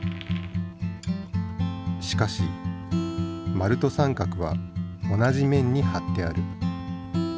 しかし丸と三角は同じ面にはってある。